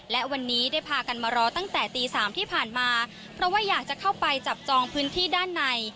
และวันนี้ได้พากันมารอตั้งแต่ตีสามที่ผ่านมาเพราะว่าอยากจะเข้าไปจับจองพื้นที่ด้านใน